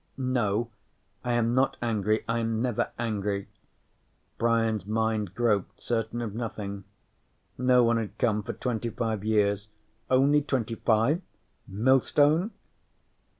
"No, I am not angry. I am never angry." Brian's mind groped, certain of nothing. No one had come for twenty five years. Only twenty five? Millstone?